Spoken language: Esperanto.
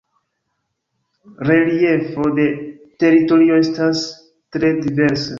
Reliefo de teritorio estas tre diversa.